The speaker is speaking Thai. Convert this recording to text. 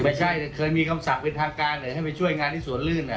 ไม่เคยมีคำสั่งเป็นทางการเลยให้ไปช่วยงานที่สวนลื่น